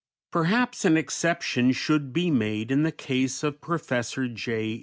Perhaps an exception should be made in the case of Professor J.